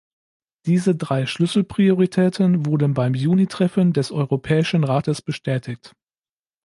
Diese drei Schlüsselprioritäten wurden beim Juni-Treffen des Europäischen Rates bestätigt.